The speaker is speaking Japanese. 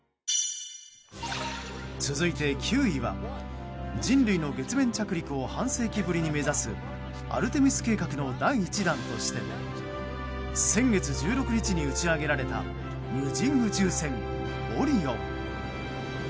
続いて９位は人類の月面着陸を半世紀ぶりに目指すアルテミス計画の第１弾として先月１６日に打ち上げられた無人宇宙船「オリオン」。